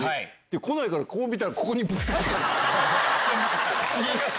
来ないからこう見たらここにぶつかった。